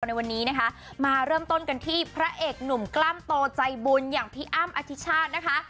ในวันนี้นะคะมาเริ่มต้นกันที่พระเอกหนุ่มกล้ามโตใจบุญอย่างพี่อ้ำอธิชาตินะคะ